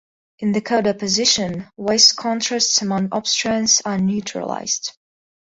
In the coda position, voice contrasts among obstruents are neutralized.